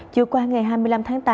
chưa qua ngày hai mươi năm tháng tám